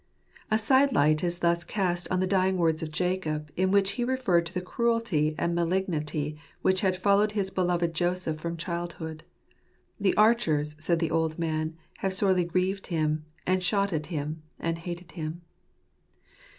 A side light is thus cast on the dying words of Jacob, in which he referred to the cruelty and malignity which had followed his beloved Joseph from childhood. "The archers," said the old man, " have sorely grieved him, and shot at him, and hated him."